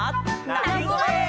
なきごえ！